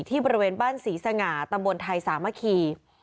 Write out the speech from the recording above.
บริเวณบ้านศรีสง่าตำบลไทยสามัคคี